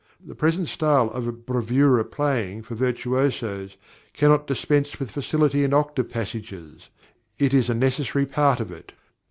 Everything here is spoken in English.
The present style of bravoura playing for virtuosos cannot dispense with facility in octave passages; it is a necessary part of it.